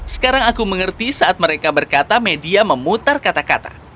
sekarang aku mengerti saat mereka berkata media memutar kata kata